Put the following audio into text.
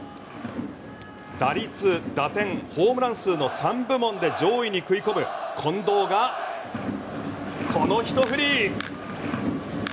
打率、打点、ホームラン数の３部門で上位に食い込む近藤がこのひと振り。